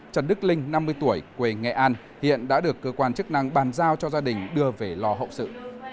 trần đức linh năm mươi tuổi quê nghệ an hiện đã được cơ quan chức năng bàn giao cho gia đình đưa về lò hậu sự